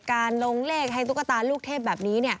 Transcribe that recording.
การลงเลขให้ตุ๊กตาลูกเทพแบบนี้